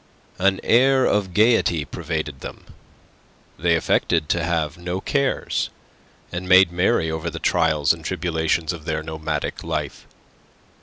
An air of gaiety pervaded them. They affected to have no cares, and made merry over the trials and tribulations of their nomadic life.